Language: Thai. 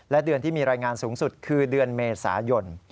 และเดือนที่มีรายงานสูงสุดคือเดือนเมษายน